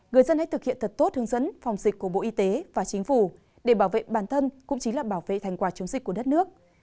người dân hãy thực hiện thật tốt hướng dẫn phòng dịch của bộ y tế và chính phủ để bảo vệ bản thân cũng chính là bảo vệ thành quả chống dịch của đất nước